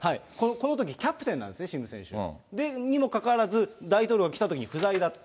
このときキャプテンなんですね、シム選手。にもかかわらず、大統領が来たときに不在だった。